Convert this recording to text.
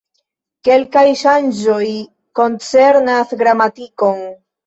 Kelkaj ŝanĝoj koncernas gramatikon.